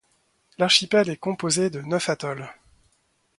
L’archipel est composé de neuf atolls.